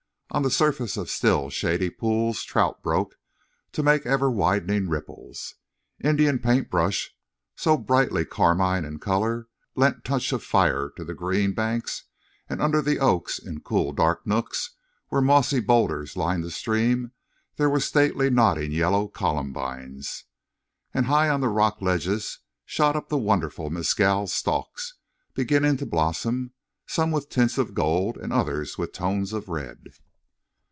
On the surface of still, shady pools trout broke to make ever widening ripples. Indian paintbrush, so brightly carmine in color, lent touch of fire to the green banks, and under the oaks, in cool dark nooks where mossy bowlders lined the stream, there were stately nodding yellow columbines. And high on the rock ledges shot up the wonderful mescal stalks, beginning to blossom, some with tints of gold and others with tones of red.